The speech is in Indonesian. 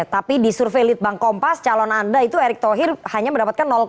tapi di survei litbang kompas calon anda itu erick thohir hanya mendapatkan